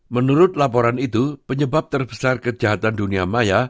menurut laporan itu penyebab terbesar kejahatan dunia maya